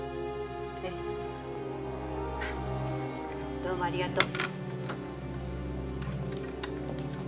どうもありがとう。